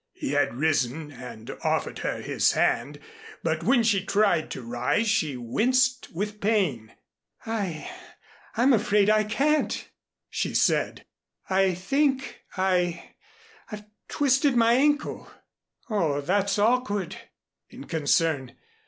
He had risen and offered her his hand, but when she tried to rise she winced with pain. "I I'm afraid I can't," she said. "I think I I've twisted my ankle." "Oh, that's awkward," in concern.